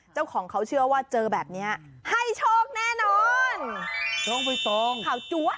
เจ้าของเขาเชื่อว่าเจอแบบเนี้ยให้โชคแน่นอนน้องใบตองขาวจั๊ว